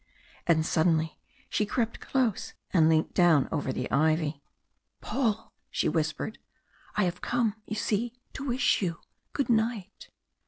And suddenly she crept close and leant down over the ivy. "Paul," she whispered. "I have come, you see, to wish you good night!"